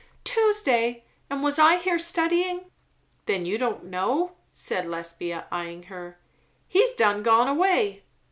"Tuesday? And I was here studying." "Then you don't know?" said Lesbia eyeing her. "He's done gone away."